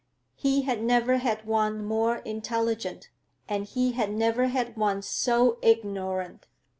He had never had one more intelligent, and he had never had one so ignorant.